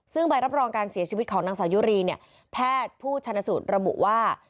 ซึ่งใบรับรองการเสียชีวิตของนางสาวยุรีเนี่ยแพทย์ผู้ชนสูตรระบุว่า